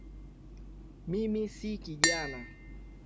Mimi si kijana